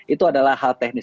itu adalah hal teknis